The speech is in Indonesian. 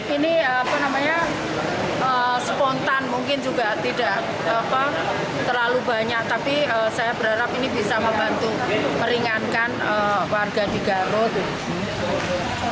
ini apa namanya spontan mungkin juga tidak terlalu banyak tapi saya berharap ini bisa membantu meringankan warga di garut